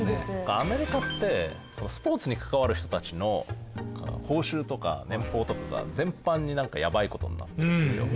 アメリカってスポーツに関わる人たちの報酬とか年俸とかが全般になんかやばい事になってるんですよ。